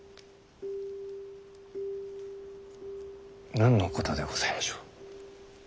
何のことでございましょう？